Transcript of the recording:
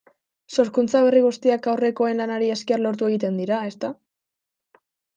Sorkuntza berri guztiak aurrekoen lanari esker lortu egiten dira, ezta?